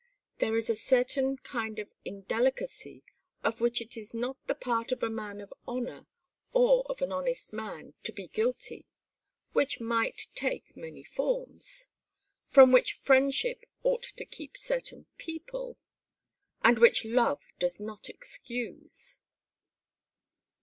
There is a certain kind of indelicacy of which it is not the part of a man of honor or of an honest man to be guilty which might take many forms from which friendship ought to keep certain people and which love does not excuse."